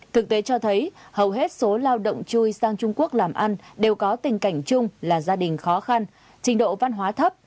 thực tế cho thấy hầu hết số lao động chui sang trung quốc làm ăn đều có tình cảnh chung là gia đình khó khăn trình độ văn hóa thấp